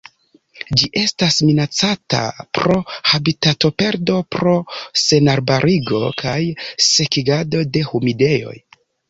Ĝi estas minacata pro habitatoperdo pro senarbarigo kaj sekigado de humidejoj.